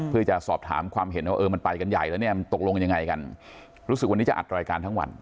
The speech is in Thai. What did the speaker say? เพื่อจะสอบถามความเห็นว่าเออมันไปกันใหญ่แล้วเนี่ยมันตกลงยังไงกันรู้สึกวันนี้จะอัดรายการทั้งวัน